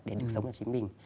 để được sống là chính mình